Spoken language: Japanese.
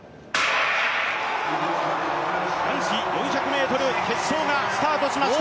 男子４００ｍ決勝がスタートしました。